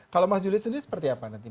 kalau mas julid sendiri seperti apa nanti